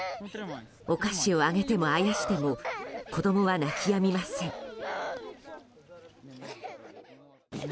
お菓子をあげても、あやしても子供は泣き止みません。